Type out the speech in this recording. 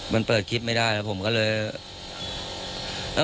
มันเปิดคลิปไม่ได้แล้วผมก็เลย